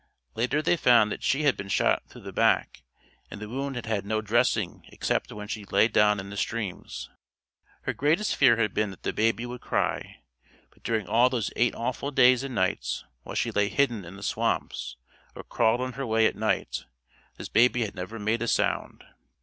Later they found that she had been shot through the back and the wound had had no dressing except when she laid down in the streams. Her greatest fear had been that the baby would cry, but during all those eight awful days and nights while she lay hidden in the swamps or crawled on her way at night, this baby had never made a sound.